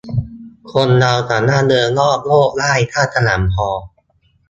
คนเราสามารถเดินรอบโลกได้ ถ้าขยันพอ